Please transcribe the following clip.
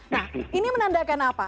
nah ini menandakan apa